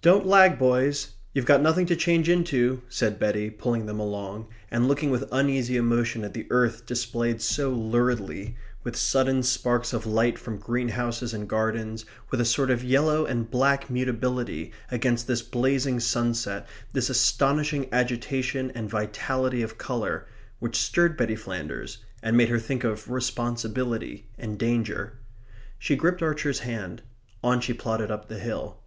"Don't lag, boys. You've got nothing to change into," said Betty, pulling them along, and looking with uneasy emotion at the earth displayed so luridly, with sudden sparks of light from greenhouses in gardens, with a sort of yellow and black mutability, against this blazing sunset, this astonishing agitation and vitality of colour, which stirred Betty Flanders and made her think of responsibility and danger. She gripped Archer's hand. On she plodded up the hill.